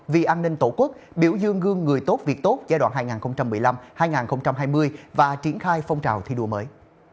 vì an ninh tổ quốc biểu dương gương người tốt việc tốt giai đoạn hai nghìn một mươi năm hai nghìn hai mươi và triển khai phong trào thi đua mới